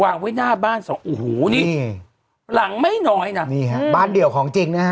วางไว้หน้าบ้านสองโอ้โหนี่หลังไม่น้อยนะนี่ฮะบ้านเดี่ยวของจริงนะฮะ